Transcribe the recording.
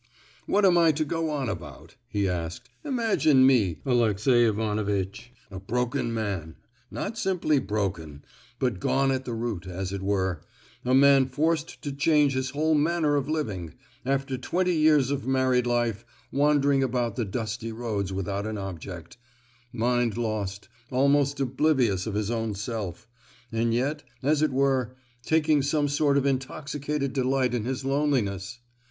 "What am I to go on about?" he asked. "Imagine me, Alexey Ivanovitch—a broken man,—not simply broken, but gone at the root, as it were; a man forced to change his whole manner of living, after twenty years of married life, wandering about the dusty roads without an object,—mind lost—almost oblivious of his own self,—and yet, as it were, taking some sort of intoxicated delight in his loneliness!